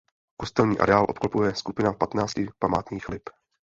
Kostelní areál obklopuje skupina patnácti památných lip.